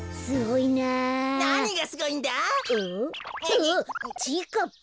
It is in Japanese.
あっちぃかっぱ。